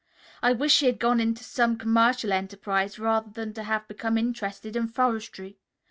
"I wish he had gone into some commercial enterprise rather than to have become interested in forestry.